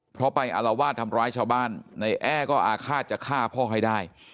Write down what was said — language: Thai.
เพราะไปอารวาสทำร้ายชาวบ้านในแอ้ก็อาฆาตจะฆ่าพ่อให้ได้